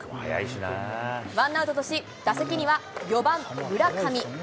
ワンアウトとし、打席には４番村上。